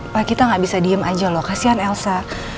pak kita gak bisa diem aja loh kasihan elsa